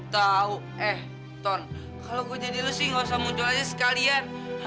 tau eh ton kalo gue jadi lo sih gak usah muncul aja sekalian